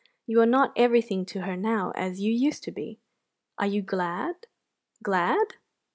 You are not everything to her now as you used to be. Are you glad, glad?"